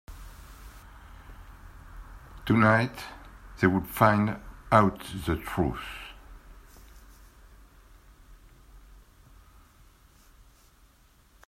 Tonight, they would find out the truth.